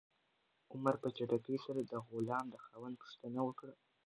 عمر په چټکۍ سره د غلام د خاوند پوښتنه وکړه.